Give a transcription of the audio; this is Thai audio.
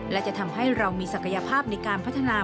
และจะทำให้เรามีศักยภาพในการพัฒนา